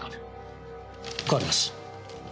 替わります。